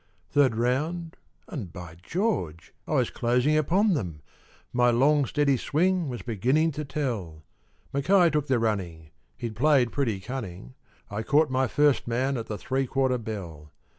Third round, and, by George, I was closing upon them, My long steady swing was beginning to tell; Mackay took the running he'd played pretty cunning I caught my first man at the three quarter bell.